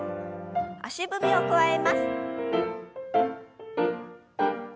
足踏みを加えます。